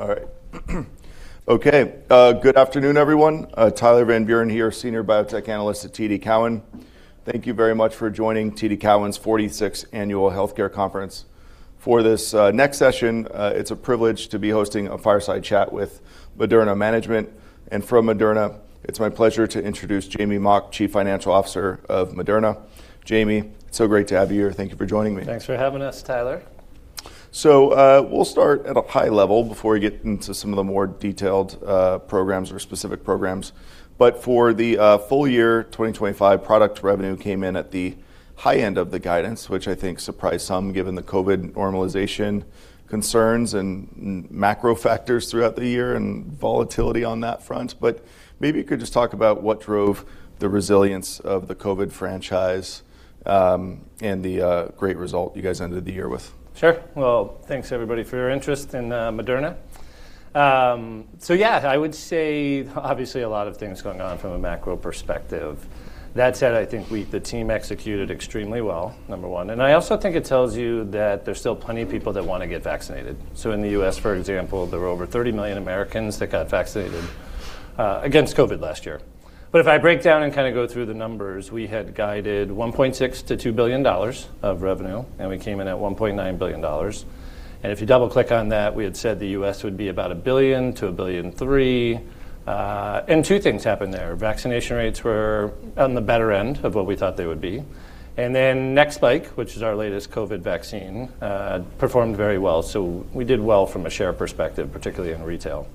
All right. Okay. Good afternoon, everyone. Tyler Van Buren here, Senior Biotech Analyst at TD Cowen. Thank you very much for joining TD Cowen's 46th Annual Healthcare Conference. For this next session, it's a privilege to be hosting a fireside chat with Moderna management. From Moderna, it's my pleasure to introduce Jamey Mock, Chief Financial Officer of Moderna. Jamey, it's so great to have you here. Thank you for joining me. Thanks for having us, Tyler. We'll start at a high level before we get into some of the more detailed programs or specific programs. For the full year 2025, product revenue came in at the high end of the guidance, which I think surprised some, given the COVID normalization concerns and macro factors throughout the year and volatility on that front. Maybe you could just talk about what drove the resilience of the COVID franchise and the great result you guys ended the year with. Sure. Well, thanks, everybody, for your interest in Moderna. Yeah, I would say obviously a lot of things going on from a macro perspective. That said, I think the team executed extremely well, number one, and I also think it tells you that there's still plenty of people that wanna get vaccinated. In the U.S., for example, there were over 30 million Americans that got vaccinated against COVID last year. If I break down and kinda go through the numbers, we had guided $1.6 billion-$2 billion of revenue, and we came in at $1.9 billion. If you double-click on that, we had said the U.S. would be about $1 billion-$1.3 billion, and two things happened there. Vaccination rates were on the better end of what we thought they would be. MNEXSPIKE, which is our latest COVID vaccine, performed very well. We did well from a share perspective, particularly in retail.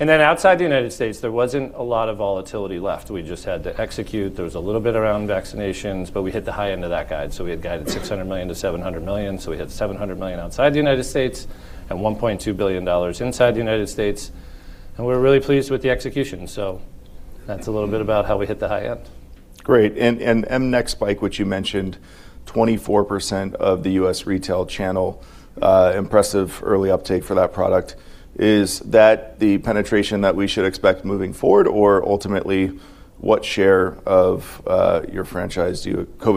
Outside the United States, there wasn't a lot of volatility left. We just had to execute. There was a little bit around vaccinations, but we hit the high end of that guide. We had guided $600 million-$700 million, we hit $700 million outside the United States and $1.2 billion inside the United States, and we're really pleased with the execution. That's a little bit about how we hit the high end. Great. mNEXSPIKE, which you mentioned, 24% of the U.S. retail channel, impressive early uptake for that product. Is that the penetration that we should expect moving forward, or ultimately, what share of your COVID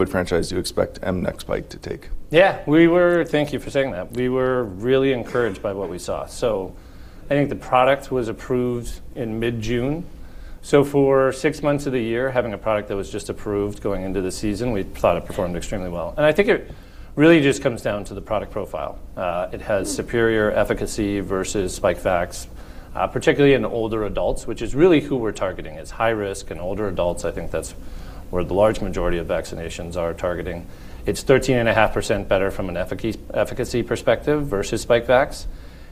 franchise do you expect mNEXSPIKE to take? Thank you for saying that. We were really encouraged by what we saw. I think the product was approved in mid-June. For six months of the year, having a product that was just approved going into the season, we thought it performed extremely well. I think it really just comes down to the product profile. It has superior efficacy versus Spikevax, particularly in older adults, which is really who we're targeting, is high risk in older adults. I think that's where the large majority of vaccinations are targeting. It's 13.5% better from an efficacy perspective versus Spikevax.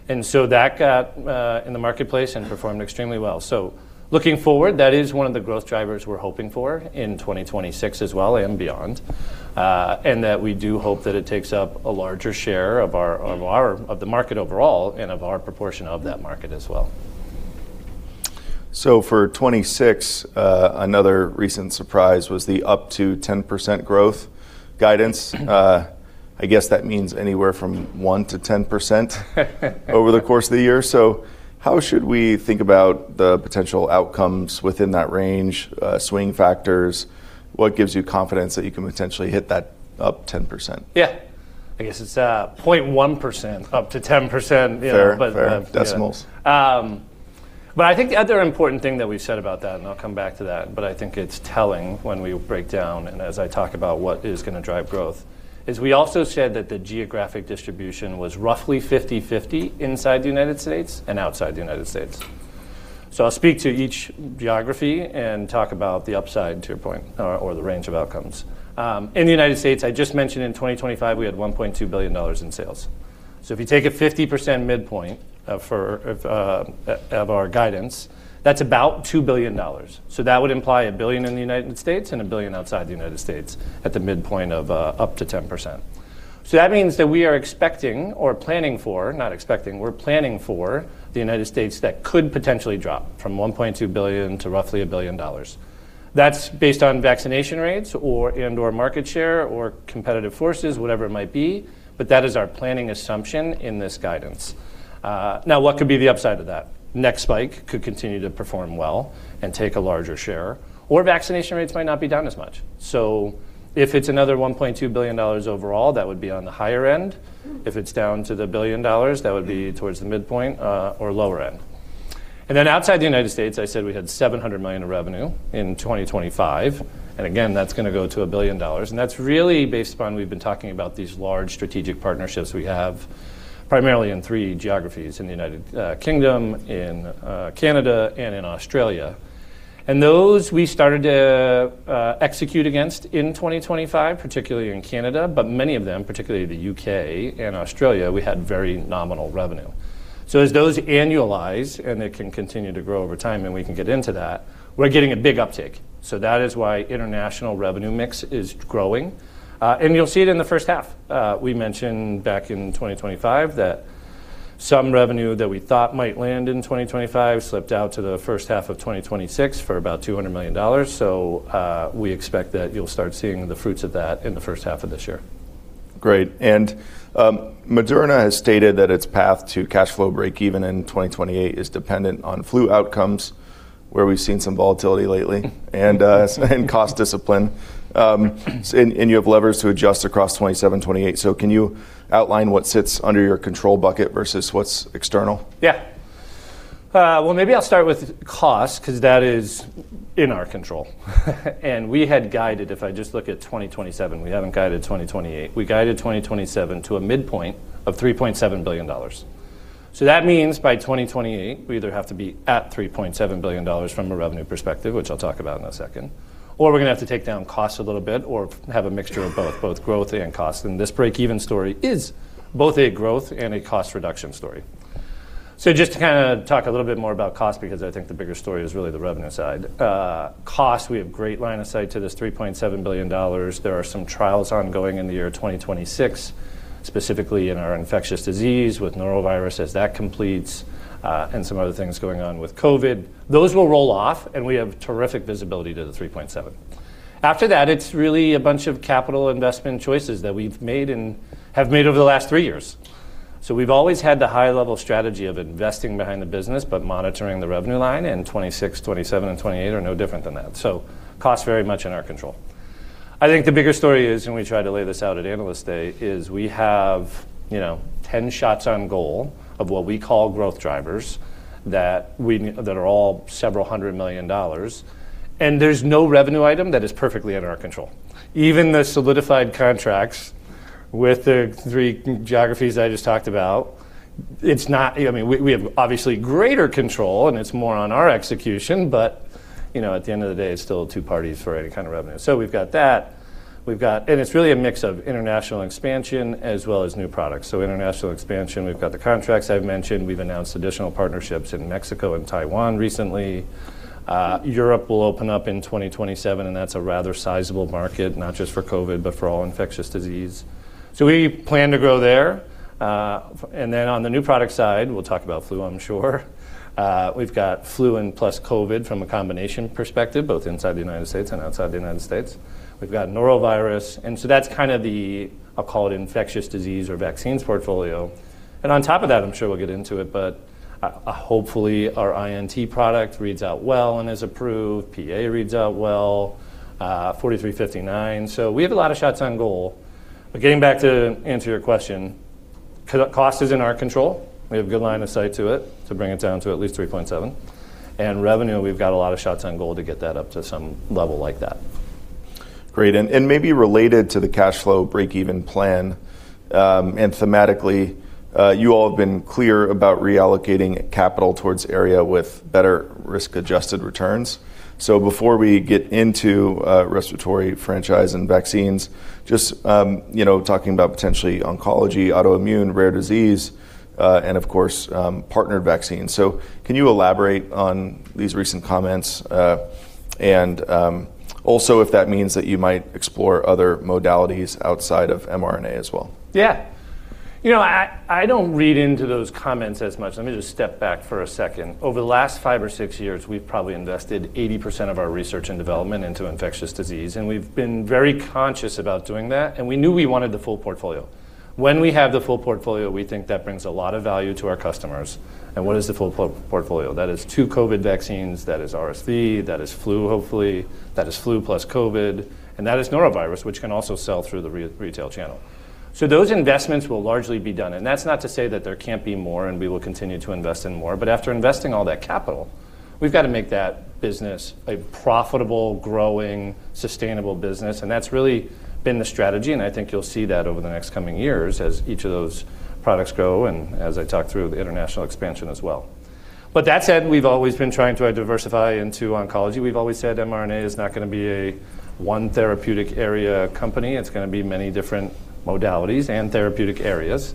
That got in the marketplace and performed extremely well. Looking forward, that is one of the growth drivers we're hoping for in 2026 as well and beyond, and that we do hope that it takes up a larger share of our of the market overall and of our proportion of that market as well. For 2026, another recent surprise was the up to 10% growth guidance. I guess that means anywhere from 1% to 10% over the course of the year. How should we think about the potential outcomes within that range, swing factors? What gives you confidence that you can potentially hit that up 10%? Yeah. I guess it's 0.1% up to 10%, you know, but yeah. Fair, fair, decimals. I think the other important thing that we've said about that, and I'll come back to that, but I think it's telling when we break down and as I talk about what is gonna drive growth, is we also said that the geographic distribution was roughly 50/50 inside the United States and outside the United States. I'll speak to each geography and talk about the upside to your point or the range of outcomes. In the United States, I just mentioned in 2025, we had $1.2 billion in sales. If you take a 50% midpoint of our guidance, that's about $2 billion. That would imply $1 billion in the United States and $1 billion outside the United States at the midpoint of up to 10%. That means that we are expecting or planning for, not expecting, we're planning for the United States, that could potentially drop from $1.2 billion to roughly $1 billion. That's based on vaccination rates and/or market share or competitive forces, whatever it might be, but that is our planning assumption in this guidance. Now, what could be the upside to that? mNEXSPIKE could continue to perform well and take a larger share, or vaccination rates might not be down as much. If it's another $1.2 billion overall, that would be on the higher end. If it's down to the $1 billion, that would be towards the midpoint, or lower end. Then outside the United States, I said we had $700 million of revenue in 2025, and again, that's gonna go to $1 billion. That's really based upon we've been talking about these large strategic partnerships we have primarily in three geographies, in the United Kingdom, in Canada, and in Australia. Those we started to execute against in 2025, particularly in Canada, but many of them, particularly the UK and Australia, we had very nominal revenue. As those annualize, and they can continue to grow over time, and we can get into that, we're getting a big uptick. That is why international revenue mix is growing. You'll see it in the first half. We mentioned back in 2025 that some revenue that we thought might land in 2025 slipped out to the first half of 2026 for about $200 million. We expect that you'll start seeing the fruits of that in the first half of this year. Great. Moderna has stated that its path to cash flow break even in 2028 is dependent on flu outcomes, where we've seen some volatility lately and cost discipline. You have levers to adjust across 2027, 2028. Can you outline what sits under your control bucket versus what's external? Yeah. well, maybe I'll start with cost because that is in our control. We had guided, if I just look at 2027, we haven't guided 2028. We guided 2027 to a midpoint of $3.7 billion. That means by 2028, we either have to be at $3.7 billion from a revenue perspective, which I'll talk about in a second, or we're going to have to take down costs a little bit or have a mixture of both growth and cost. This breakeven story is both a growth and a cost reduction story. Just to kind of talk a little bit more about cost because I think the bigger story is really the revenue side. Cost, we have great line of sight to this $3.7 billion. There are some trials ongoing in the year 2026, specifically in our infectious disease with norovirus as that completes, and some other things going on with COVID. Those will roll off, and we have terrific visibility to the $3.7 billion. After that, it's really a bunch of capital investment choices that we've made and have made over the last three years. We've always had the high level strategy of investing behind the business, but monitoring the revenue line, and 2026, 2027, and 2028 are no different than that. Cost very much in our control. I think the bigger story is, and we tried to lay this out at Analyst Day, is we have, you know, 10 shots on goal of what we call growth drivers that are all several hundred million dollars. There's no revenue item that is perfectly under our control. Even the solidified contracts with the three geographies I just talked about, I mean, we have obviously greater control and it's more on our execution, but, you know, at the end of the day, it's still two parties for any kind of revenue. We've got that. It's really a mix of international expansion as well as new products. International expansion, we've got the contracts I've mentioned. We've announced additional partnerships in Mexico and Taiwan recently. Europe will open up in 2027, and that's a rather sizable market, not just for COVID, but for all infectious disease. We plan to grow there. Then on the new product side, we'll talk about flu, I'm sure. We've got flu and plus COVID from a combination perspective, both inside the United States and outside the United States. We've got norovirus, that's kinda the, I'll call it, infectious disease or vaccines portfolio. On top of that, I'm sure we'll get into it, but hopefully our INT product reads out well and is approved. PA reads out well, mRNA-4359. We have a lot of shots on goal. Getting back to answer your question, cost is in our control. We have good line of sight to it to bring it down to at least 3.7. Revenue, we've got a lot of shots on goal to get that up to some level like that. Great. Maybe related to the cash flow break even plan, and thematically, you all have been clear about reallocating capital towards area with better risk-adjusted returns. Before we get into respiratory franchise and vaccines, just, you know, talking about potentially oncology, autoimmune, rare disease, and of course, partnered vaccines. Can you elaborate on these recent comments? Also if that means that you might explore other modalities outside of mRNA as well. Yeah. You know, I don't read into those comments as much. Let me just step back for a second. Over the last five or six years, we've probably invested 80% of our research and development into infectious disease, and we've been very conscious about doing that, and we knew we wanted the full portfolio. When we have the full portfolio, we think that brings a lot of value to our customers. What is the full portfolio? That is 2 COVID vaccines, that is RSV, that is flu, hopefully, that is flu plus COVID, and that is norovirus, which can also sell through the retail channel. Those investments will largely be done, and that's not to say that there can't be more, and we will continue to invest in more, but after investing all that capital, we've got to make that business a profitable, growing, sustainable business, and that's really been the strategy, and I think you'll see that over the next coming years as each of those products grow and as I talk through the international expansion as well. That said, we've always been trying to diversify into oncology. We've always said mRNA is not gonna be a one therapeutic area company. It's gonna be many different modalities and therapeutic areas.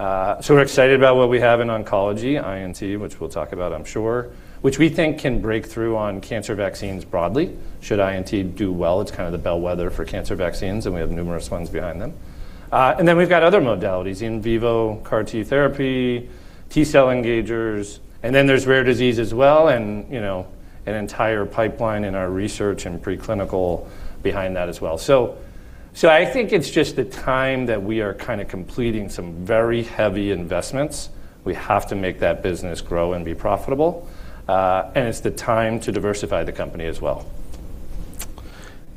We're excited about what we have in oncology, INT, which we'll talk about, I'm sure, which we think can break through on cancer vaccines broadly. Should INT do well, it's kind of the bellwether for cancer vaccines, and we have numerous ones behind them. Then we've got other modalities, in vivo, CAR T therapy, T-cell engagers, and then there's rare disease as well and, you know, an entire pipeline in our research and preclinical behind that as well. I think it's just the time that we are kinda completing some very heavy investments. We have to make that business grow and be profitable, and it's the time to diversify the company as well.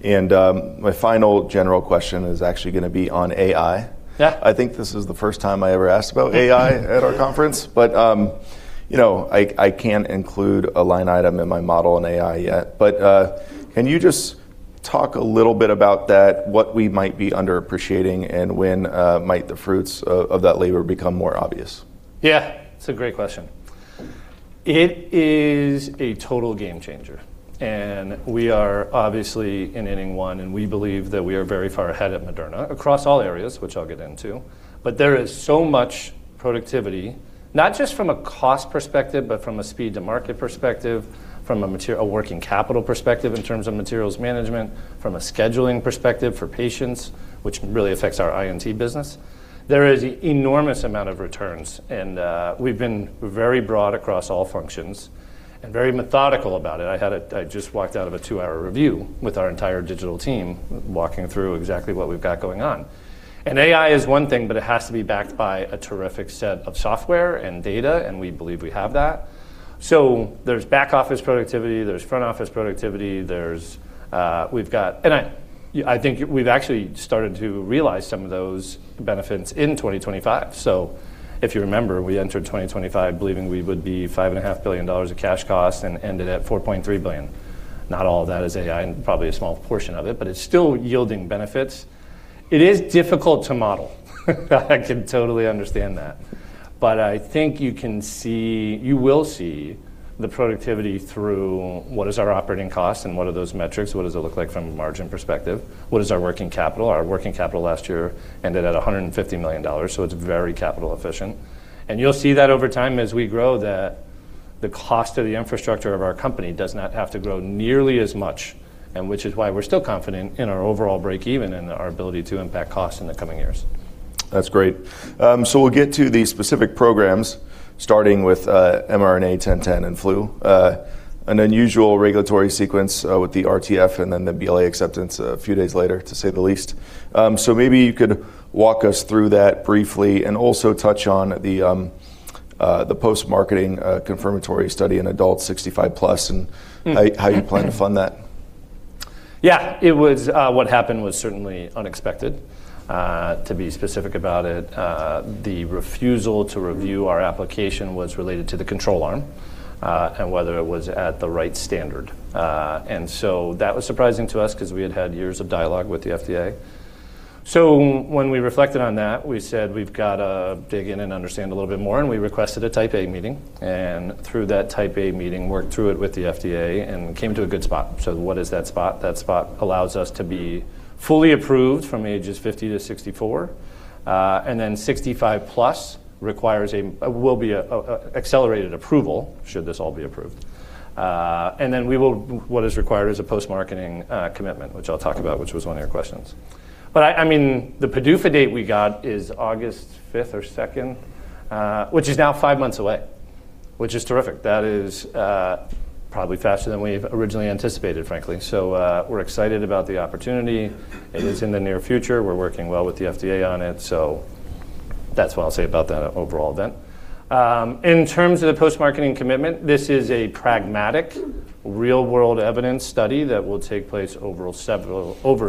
My final general question is actually gonna be on AI. Yeah. I think this is the first time I ever asked about AI at our conference, you know, I can't include a line item in my model on AI yet. Can you just talk a little bit about that, what we might be underappreciating, and when might the fruits of that labor become more obvious? Yeah. It's a great question. It is a total game changer. We are obviously in inning 1, and we believe that we are very far ahead at Moderna across all areas, which I'll get into. There is so much productivity, not just from a cost perspective, but from a working capital perspective in terms of materials management, from a scheduling perspective for patients, which really affects our INT business. There is enormous amount of returns, and we've been very broad across all functions and very methodical about it. I just walked out of a two-hour review with our entire digital team walking through exactly what we've got going on. AI is one thing, but it has to be backed by a terrific set of software and data, and we believe we have that. There's back office productivity, there's front office productivity. I think we've actually started to realize some of those benefits in 2025. If you remember, we entered 2025 believing we would be $5.5 billion of cash costs and ended at $4.3 billion. Not all of that is AI, and probably a small portion of it, but it's still yielding benefits. It is difficult to model. I can totally understand that. I think you will see the productivity through what is our operating cost and what are those metrics? What does it look like from a margin perspective? What is our working capital? Our working capital last year ended at $150 million, so it's very capital efficient. You'll see that over time as we grow that the cost of the infrastructure of our company does not have to grow nearly as much, and which is why we're still confident in our overall break even and our ability to impact costs in the coming years. That's great. We'll get to the specific programs, starting with mRNA-1010 and flu. An unusual regulatory sequence with the RTF and then the BLA acceptance a few days later, to say the least. Maybe you could walk us through that briefly and also touch on the post-marketing confirmatory study in adult 65+, and how you plan to fund that. What happened was certainly unexpected. To be specific about it, the refusal to review our application was related to the control arm, and whether it was at the right standard. That was surprising to us because we had had years of dialogue with the FDA. When we reflected on that, we said, "We've gotta dig in and understand a little bit more," and we requested a Type A meeting and through that Type A meeting, worked through it with the FDA and came to a good spot. What is that spot? That spot allows us to be fully approved from ages 50 to 64, and then 65 plus requires will be an accelerated approval should this all be approved. What is required is a post-marketing commitment, which I'll talk about which was one of your questions. I mean, the PDUFA date we got is August 5th or 2nd, which is now five months away, which is terrific. That is probably faster than we've originally anticipated, frankly. We're excited about the opportunity. It is in the near future. We're working well with the FDA on it, that's what I'll say about that overall. In terms of the post-marketing commitment, this is a pragmatic real world evidence study that will take place over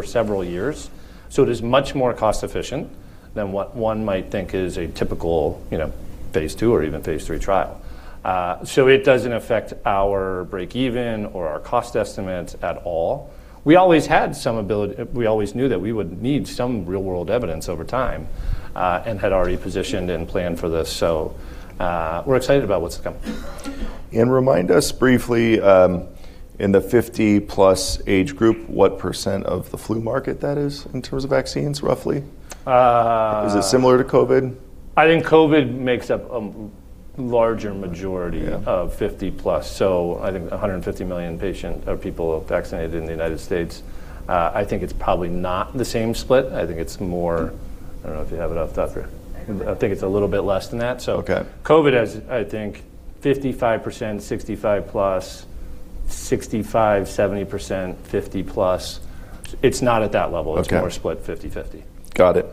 several years, it is much more cost efficient than what one might think is a typical, you know, phase II or even phase III trial. It doesn't affect our break even or our cost estimate at all. We always knew that we would need some real world evidence over time, and had already positioned and planned for this. We're excited about what's to come. Remind us briefly, in the 50+ age group, what % of the flu market that is in terms of vaccines roughly. Is it similar to COVID? I think COVID makes up a larger majority- Yeah... Of 50+. I think 150 million patient or people vaccinated in the United States. I think it's probably not the same split. I don't know if you have it off the top of your... I do. I think it's a little bit less than that. Okay. COVID has, I think 55% 65+, 65, 70% 50+. It's not at that level. Okay. It's more split 50/50. Got it.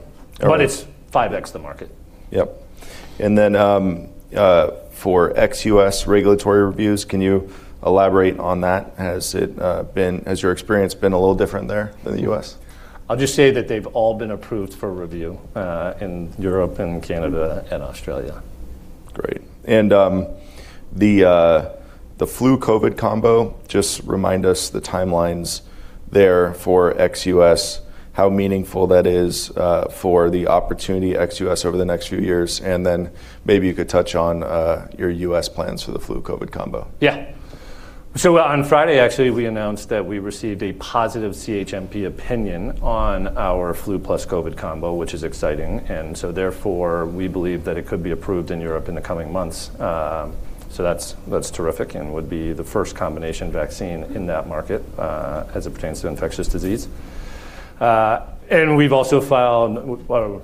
All right. It's 5x the market. Yep. Then, for ex-U.S. regulatory reviews, can you elaborate on that? Has your experience been a little different there than the U.S.? I'll just say that they've all been approved for review in Europe and Canada and Australia. Great. The flu COVID combo, just remind us the timelines there for ex U.S., how meaningful that is for the opportunity ex U.S. over the next few years, maybe you could touch on your U.S. plans for the flu COVID combo. Yeah. So on Friday, actually, we announced that we received a positive CHMP opinion on our flu plus COVID combo, which is exciting. And so therefore, we believe that it could be approved in Europe in the coming months. Um, so that's terrific and would be the first combination vaccine in that market, uh, as it pertains to infectious disease. Uh, and we've also filed-- Well,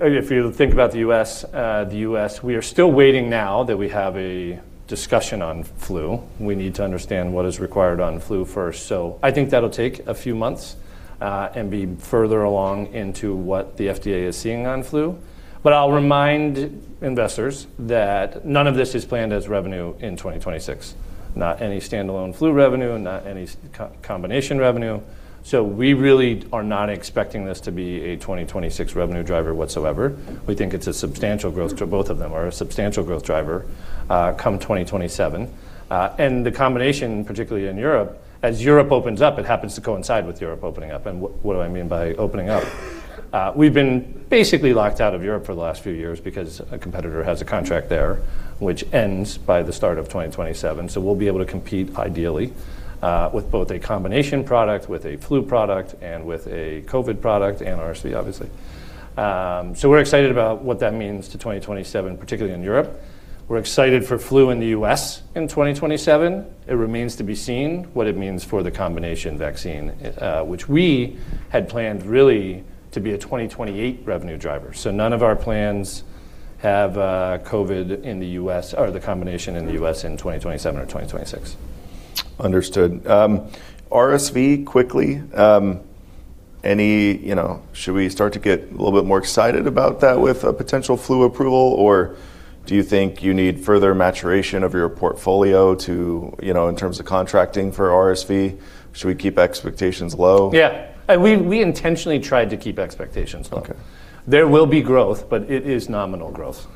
if you think about the US, uh, the US, we are still waiting now that we have a discussion on flu. We need to understand what is required on flu first. So I think that'll take a few months, uh, and be further along into what the FDA is seeing on flu. But I'll remind investors that none of this is planned as revenue in twenty twenty-six. Not any standalone flu revenue, not any co-combination revenue. We really are not expecting this to be a 2026 revenue driver whatsoever. We think it's a substantial growth Both of them are a substantial growth driver, come 2027. The combination, particularly in Europe, as Europe opens up, it happens to coincide with Europe opening up. What do I mean by opening up? We've been basically locked out of Europe for the last few years because a competitor has a contract there which ends by the start of 2027. We'll be able to compete ideally, with both a combination product, with a flu product, and with a COVID product, and RSV, obviously. We're excited about what that means to 2027, particularly in Europe. We're excited for flu in the US in 2027. It remains to be seen what it means for the combination vaccine, which we had planned really to be a 2028 revenue driver. None of our plans have COVID in the U.S. or the combination in the U.S. in 2027 or 2026. Understood. RSV quickly. You know, should we start to get a little bit more excited about that with a potential flu approval, or do you think you need further maturation of your portfolio to, you know, in terms of contracting for RSV? Should we keep expectations low? Yeah. We, we intentionally tried to keep expectations low. Okay. There will be growth, but it is nominal growth.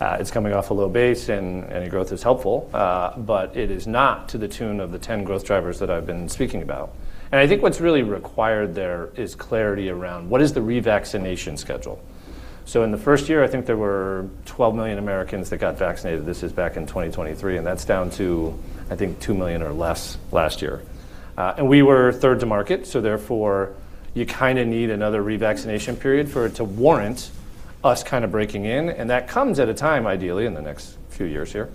It's coming off a low base and growth is helpful, but it is not to the tune of the 10 growth drivers that I've been speaking about. I think what's really required there is clarity around what is the revaccination schedule. In the first year, I think there were 12 million Americans that got vaccinated. This is back in 2023, and that's down to, I think, 2 million or less last year. we were 3rd to market, so therefore, you kinda need another revaccination period for it to warrant-Us kind of breaking in, that comes at a time ideally in the next few years here,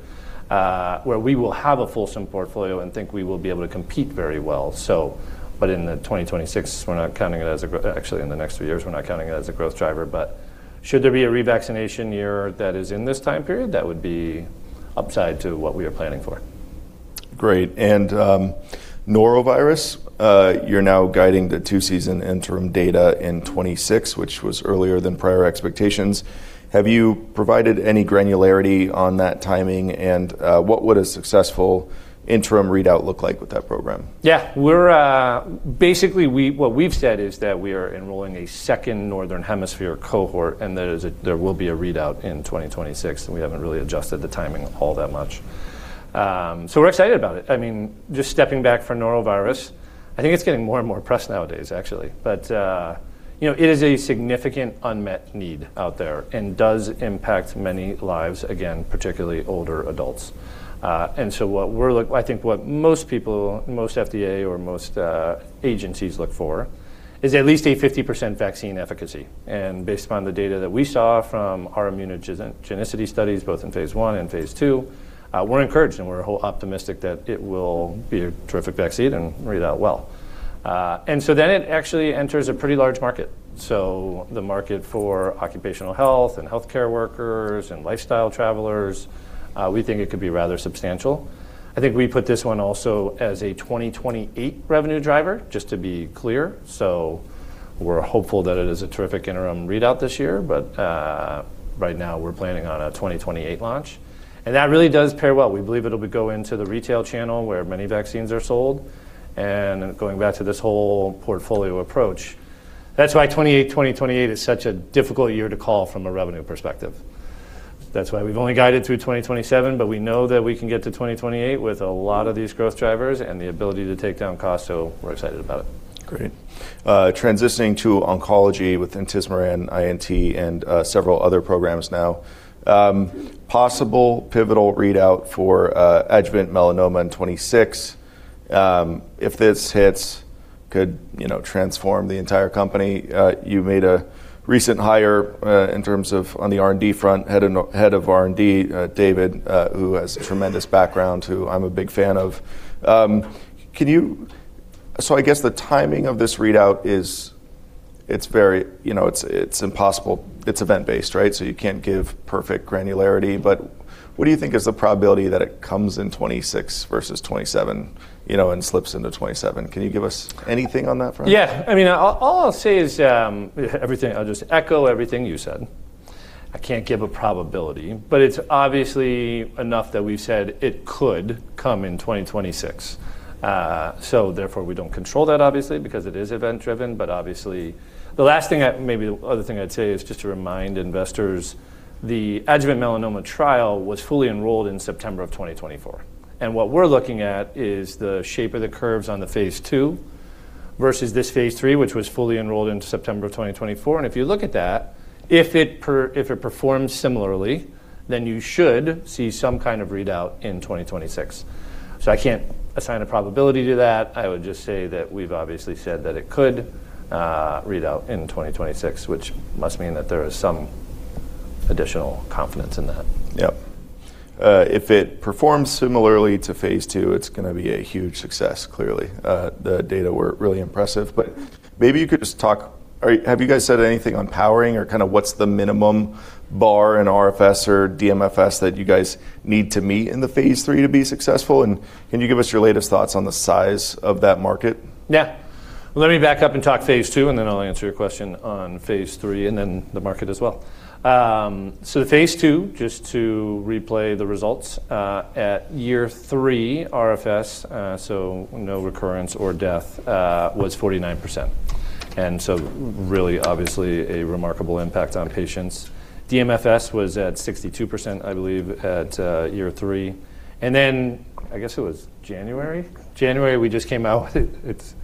where we will have a fulsome portfolio and think we will be able to compete very well. In 2026, actually, in the next few years, we're not counting it as a growth driver. Should there be a revaccination year that is in this time period, that would be upside to what we are planning for. Great. Norovirus, you're now guiding the two-season interim data in 2026, which was earlier than prior expectations. Have you provided any granularity on that timing, and what would a successful interim readout look like with that program? Yeah. We're basically, what we've said is that we are enrolling a second Northern Hemisphere cohort, there will be a readout in 2026. We haven't really adjusted the timing all that much. We're excited about it. I mean, just stepping back for norovirus, I think it's getting more and more press nowadays, actually. You know, it is a significant unmet need out there and does impact many lives, again, particularly older adults. I think what most people, most FDA or most agencies look for is at least a 50% vaccine efficacy. Based upon the data that we saw from our immunogenicity studies, both in phase I and phase II, we're encouraged, and we're whole optimistic that it will be a terrific vaccine and read out well. It actually enters a pretty large market. The market for occupational health and healthcare workers and lifestyle travelers, we think it could be rather substantial. I think we put this one also as a 2028 revenue driver, just to be clear. We're hopeful that it is a terrific interim readout this year. Right now, we're planning on a 2028 launch. That really does pair well. We believe it'll be going to the retail channel where many vaccines are sold. Going back to this whole portfolio approach, that's why 2028 is such a difficult year to call from a revenue perspective. That's why we've only guided through 2027. We know that we can get to 2028 with a lot of these growth drivers and the ability to take down cost. We're excited about it. Great. Transitioning to oncology with intismeran, INT, and several other programs now. Possible pivotal readout for adjuvant melanoma in 2026. If this hits, could, you know, transform the entire company. You made a recent hire in terms of on the R&D front, head of R&D, David Berman, who has tremendous background, who I'm a big fan of. I guess the timing of this readout is, it's very, you know, it's impossible. It's event-based, right? You can't give perfect granularity. What do you think is the probability that it comes in 2026 versus 2027, you know, and slips into 2027? Can you give us anything on that front? Yeah. I mean, all I'll say is everything. I'll just echo everything you said. I can't give a probability. It's obviously enough that we said it could come in 2026. Therefore, we don't control that, obviously, because it is event-driven. Obviously, the last thing maybe the other thing I'd say is just to remind investors, the adjuvant melanoma trial was fully enrolled in September of 2024. What we're looking at is the shape of the curves on the phase two versus this phase three, which was fully enrolled in September of 2024. If you look at that, if it performs similarly, then you should see some kind of readout in 2026. I can't assign a probability to that. I would just say that we've obviously said that it could read out in 2026, which must mean that there is some additional confidence in that. Yep. if it performs similarly to phase two, it's gonna be a huge success, clearly. The data were really impressive. maybe you could just talk... have you guys said anything on powering or kinda what's the minimum bar in RFS or DMFS that you guys need to meet in the phase three to be successful? Can you give us your latest thoughts on the size of that market? Yeah. Let me back up and talk phase II, and then I'll answer your question on phase III and then the market as well. The phase II, just to replay the results, at year three, RFS, so no recurrence or death, was 49%. Really obviously a remarkable impact on patients. DMFS was at 62%, I believe, at year three. I guess it was January? January, we just came out with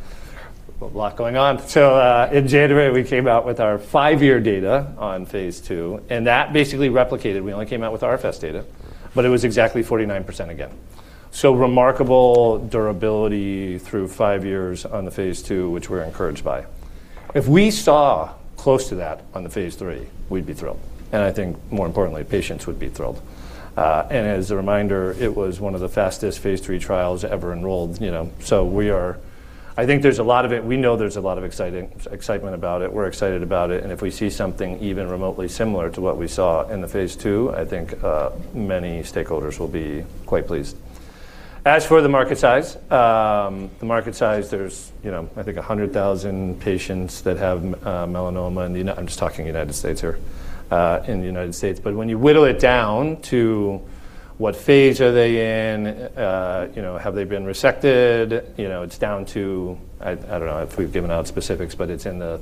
it. It's a lot going on. In January, we came out with our five-year data on phase II, and that basically replicated. We only came out with RFS data, but it was exactly 49% again. Remarkable durability through five years on the phase II, which we're encouraged by. If we saw close to that on the phase III, we'd be thrilled. I think more importantly, patients would be thrilled. As a reminder, it was one of the fastest phase III trials ever enrolled, you know. I think there's a lot of it. We know there's a lot of excitement about it. We're excited about it. If we see something even remotely similar to what we saw in the phase II, I think many stakeholders will be quite pleased. As for the market size, there's, you know, I think 100,000 patients that have melanoma in the United States. I'm just talking United States here, in the United States. When you whittle it down to what phase are they in, you know, have they been resected, you know, it's down to, I don't know if we've given out specifics, but it's in the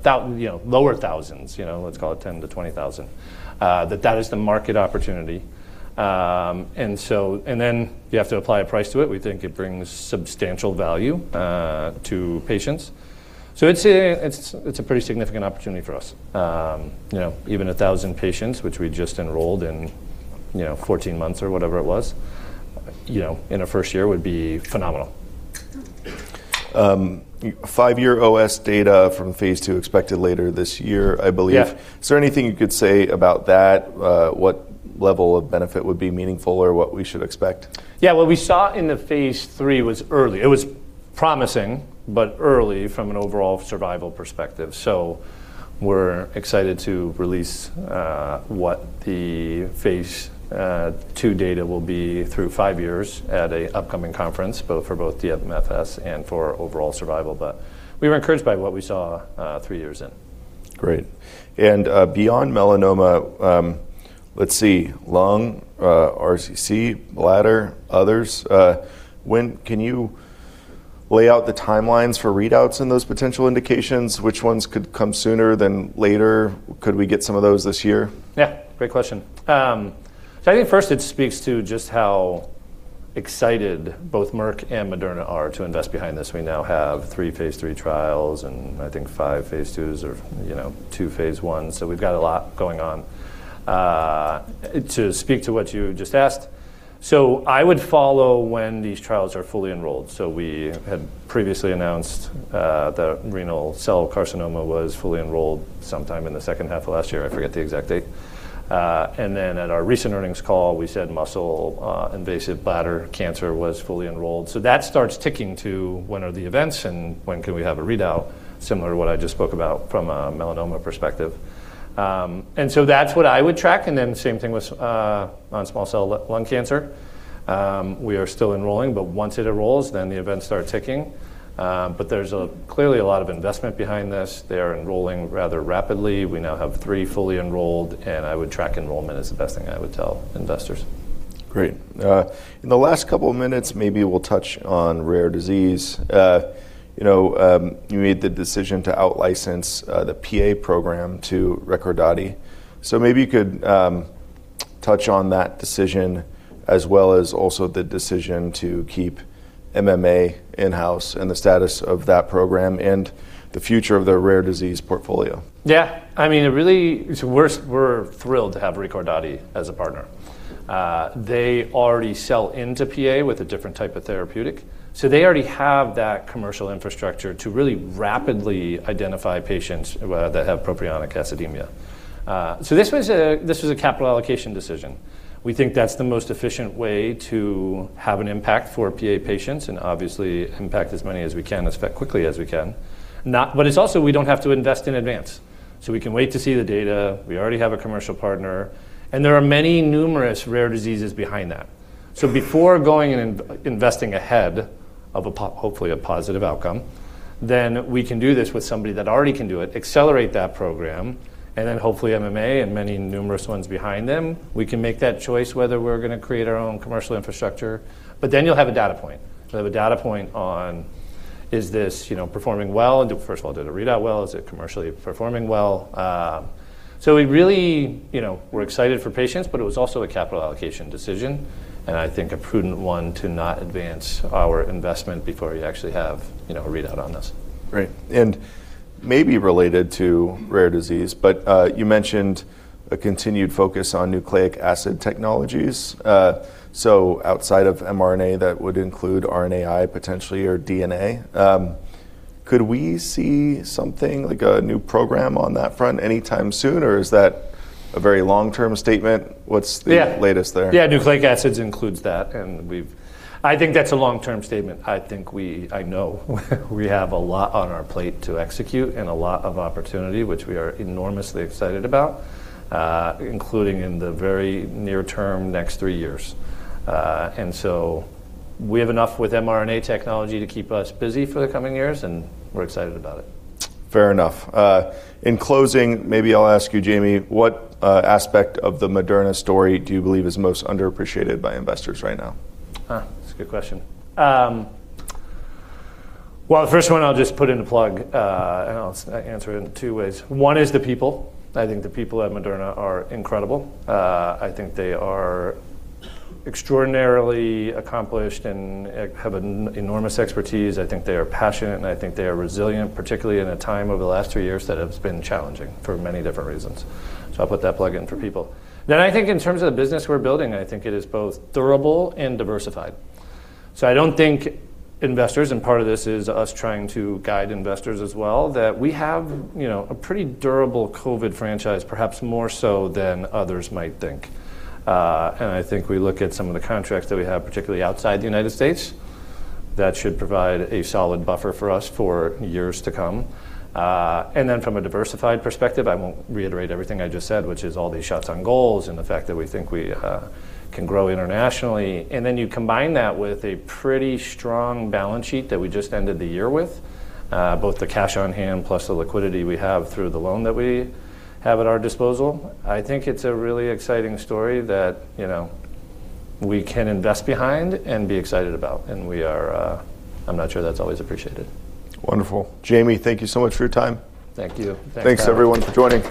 lower thousands, you know, let's call it 10,000-20,000, that is the market opportunity. Then you have to apply a price to it. We think it brings substantial value, to patients. It's a pretty significant opportunity for us. you know, even 1,000 patients, which we just enrolled in, you know, 14 months or whatever it was, you know, in our first year would be phenomenal. Five-year OS data from phase II expected later this year, I believe. Yeah. Is there anything you could say about that? What level of benefit would be meaningful or what we should expect? Yeah. What we saw in the phase III was early. It was promising, but early from an overall survival perspective. We're excited to release what the phase II data will be through five years at a upcoming conference, both for DMFS and for overall survival. We were encouraged by what we saw, three years in. Great. Beyond melanoma, let's see, lung, RCC, bladder, others, when can you lay out the timelines for readouts in those potential indications? Which ones could come sooner than later? Could we get some of those this year? Yeah, great question. I think first it speaks to just how excited both Merck and Moderna are to invest behind this. We now have three Phase III trials, and I think five Phase IIs or, you know, two Phase Is. We've got a lot going on. To speak to what you just asked, I would follow when these trials are fully enrolled. We had previously announced the renal cell carcinoma was fully enrolled sometime in the second half of last year. I forget the exact date. At our recent earnings call, we said muscle invasive bladder cancer was fully enrolled. That starts ticking to when are the events and when can we have a readout, similar to what I just spoke about from a melanoma perspective. That's what I would track. Same thing with on small cell lung cancer. We are still enrolling, once it enrolls, then the events start ticking. There's clearly a lot of investment behind this. They are enrolling rather rapidly. We now have three fully enrolled, I would track enrollment is the best thing I would tell investors. Great. In the last couple of minutes, maybe we'll touch on rare disease. You know, you made the decision to out-license the PA program to Recordati. Maybe you could touch on that decision as well as also the decision to keep MMA in-house and the status of that program and the future of the rare disease portfolio. I mean, we're thrilled to have Recordati as a partner. They already sell into PA with a different type of therapeutic. They already have that commercial infrastructure to really rapidly identify patients that have propionic acidemia. This was a capital allocation decision. We think that's the most efficient way to have an impact for PA patients and obviously impact as many as we can, as quickly as we can. It's also, we don't have to invest in advance. We can wait to see the data. We already have a commercial partner, and there are many numerous rare diseases behind that. Before going and investing ahead of a hopefully a positive outcome, then we can do this with somebody that already can do it, accelerate that program, and then hopefully MMA and many numerous ones behind them, we can make that choice whether we're gonna create our own commercial infrastructure. You'll have a data point. You have a data point on is this, you know, performing well? First of all, did it read out well? Is it commercially performing well? we really, you know, we're excited for patients, but it was also a capital allocation decision, and I think a prudent one to not advance our investment before you actually have, you know, a readout on this. Great. Maybe related to rare disease, you mentioned a continued focus on nucleic acid technologies. Outside of mRNA, that would include RNAi potentially or DNA. Could we see something like a new program on that front anytime soon, or is that a very long-term statement? What's the- Yeah. Latest there? Yeah. Nucleic acids includes that. I think that's a long-term statement. I know we have a lot on our plate to execute and a lot of opportunity, which we are enormously excited about, including in the very near term, next three years. We have enough with mRNA technology to keep us busy for the coming years, and we're excited about it. Fair enough. In closing, maybe I'll ask you, Jamey, what aspect of the Moderna story do you believe is most underappreciated by investors right now? That's a good question. Well, the first one I'll just put in a plug, and I'll answer it in two ways. One is the people. I think the people at Moderna are incredible. I think they are extraordinarily accomplished and have an enormous expertise. I think they are passionate, and I think they are resilient, particularly in a time over the last two years that has been challenging for many different reasons. I'll put that plug in for people. I think in terms of the business we're building, I think it is both durable and diversified. I don't think investors, and part of this is us trying to guide investors as well, that we have, you know, a pretty durable COVID franchise, perhaps more so than others might think. I think we look at some of the contracts that we have, particularly outside the United States, that should provide a solid buffer for us for years to come. From a diversified perspective, I won't reiterate everything I just said, which is all these shots on goals and the fact that we think we can grow internationally. You combine that with a pretty strong balance sheet that we just ended the year with, both the cash on hand plus the liquidity we have through the loan that we have at our disposal. I think it's a really exciting story that, you know, we can invest behind and be excited about, and we are. I'm not sure that's always appreciated. Wonderful. Jamey, thank you so much for your time. Thank you. Thanks for having me. Thanks, everyone, for joining.